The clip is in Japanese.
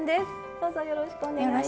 どうよろしくお願いします。